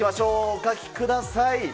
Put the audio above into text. お書きください。